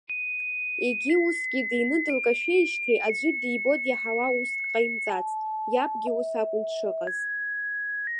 Егьи усгьы дины дылкашәеижьҭеи аӡәы дибо-диаҳауа уск ҟаимҵацт, иабгьы ус акәын дшыҟаз.